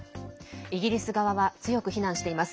イギリス側は強く非難しています。